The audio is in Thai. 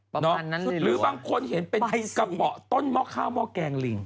หรือบางคนเห็นเป็นกระเป๋าต้นหม้อข้าวหม้อแกงลิง